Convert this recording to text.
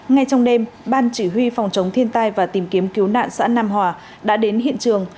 ngay trong đêm ban chỉ huy phòng chống thiên tai và tìm kiếm cứu nạn xã nam hòa đã đến hiện trường